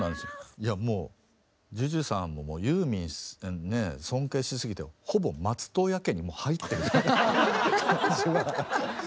いやもうＪＵＪＵさんももうユーミンね尊敬しすぎてほぼ松任谷家にもう入ってる感じは。